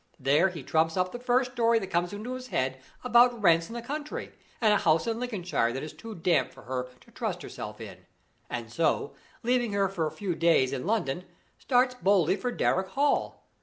There he trumps up the first story that comes into his head about rents in the country, and a house in Lincolnshire that is too damp for her to trust herself in; and so, leaving her for a few days in London, starts boldly for Darrock Hall.